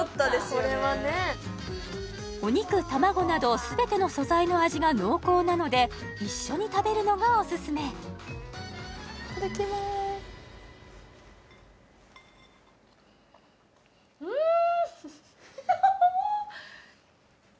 これはねお肉卵など全ての素材の味が濃厚なので一緒に食べるのがオススメいただきますえーっ？